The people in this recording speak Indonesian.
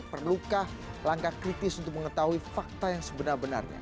perlukah langkah kritis untuk mengetahui fakta yang sebenar benarnya